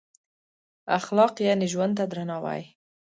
اخلاق یعنې ژوند ته درناوی.